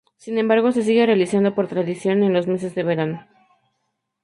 Sin embargo, se sigue realizando por tradición en los meses de verano.